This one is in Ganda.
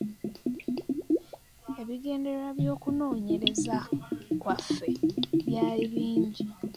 Ebigendererwa by’okunoonyereza kwaffe byali bingi.